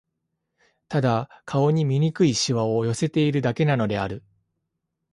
ただ、顔に醜い皺を寄せているだけなのである